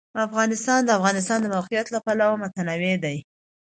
افغانستان د د افغانستان د موقعیت له پلوه متنوع دی.